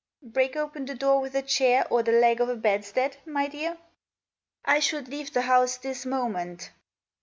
" Break open the door with a chair, or the leg of the bedstead, my dear ?"" I should leave the house this moment."